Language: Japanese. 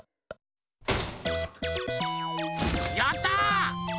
やった！